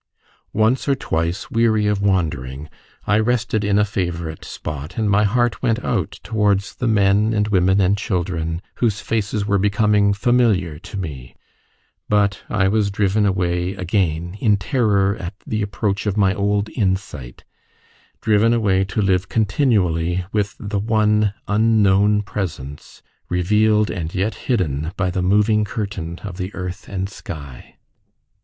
Once or twice, weary of wandering, I rested in a favourite spot, and my heart went out towards the men and women and children whose faces were becoming familiar to me; but I was driven away again in terror at the approach of my old insight driven away to live continually with the one Unknown Presence revealed and yet hidden by the moving curtain of the earth and sky.